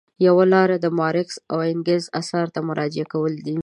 یوه لاره د مارکس او انګلز اثارو ته مراجعه کول دي.